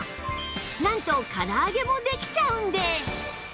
なんと唐揚げもできちゃうんです